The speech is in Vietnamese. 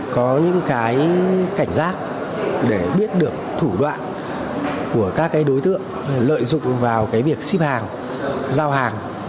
có những cái cảnh giác để biết được thủ đoạn của các cái đối tượng lợi dụng vào cái việc xếp hàng giao hàng